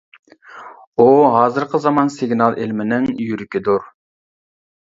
ئۇ ھازىرقى زامان سىگنال ئىلمىنىڭ يۈرىكىدۇر.